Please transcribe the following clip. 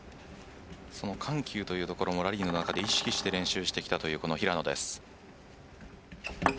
その緩急というのもラリーで意識して練習してきたというこの平野です。